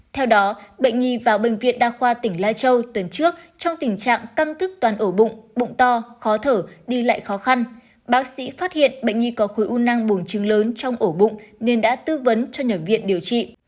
theo đó bệnh nhi vào bệnh viện đa khoa tỉnh lai châu tuần trước trong tình trạng căng thức toàn ổ bụng bụng to khó thở đi lại khó khăn bác sĩ phát hiện bệnh nhi có khối u năng bùn trứng lớn trong ổ bụng nên đã tư vấn cho nhập viện điều trị